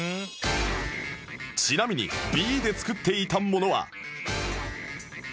ちなみに Ｂ で作っていたものは